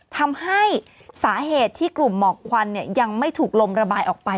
ทำให้สาเหตุที่กลุ่มหมอกควันยังไม่ถูกลมระบายออกไป